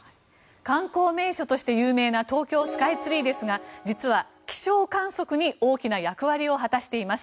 観光名所として有名な東京スカイツリーですが実は気象観測に大きな役割を果たしています。